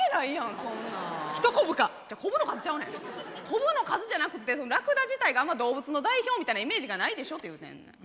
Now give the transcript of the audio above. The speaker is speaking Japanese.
コブの数じゃなくってラクダ自体があんま動物の代表みたいなイメージがないでしょって言うてんねん。